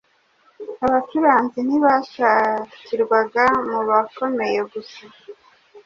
Abacuranzi ntibashakirwaga mu bakomeye gusa